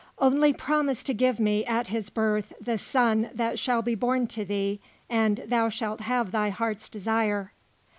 Only promise to give me, at his birth, the son that shall be born to thee, and thou shalt have thy heart's desire."